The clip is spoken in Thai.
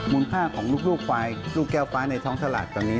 ค่าของลูกควายลูกแก้วฟ้าในท้องตลาดตรงนี้